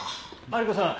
マリコさん